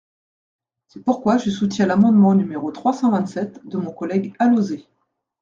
C’est pourquoi je soutiens l’amendement n° trois cent vingt-sept de mon collègue Alauzet.